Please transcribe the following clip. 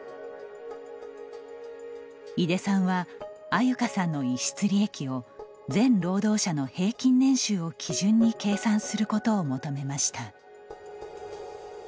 井出さんは安優香さんの逸失利益を全労働者の平均年収を基準に計算することを求めました。